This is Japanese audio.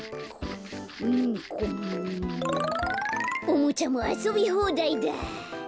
おもちゃもあそびほうだいだ。